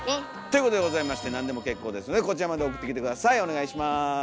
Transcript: ということでございましてなんでも結構ですのでこちらまで送ってきて下さいお願いします。